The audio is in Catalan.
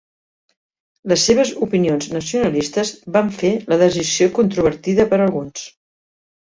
Les seves opinions nacionalistes van fer la decisió controvertida per alguns.